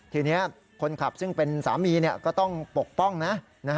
ทีนี้คนขับซึ่งเป็นสามีก็ต้องปกป้องนะ